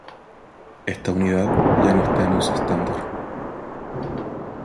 Esta unidad ya no está en uso estándar.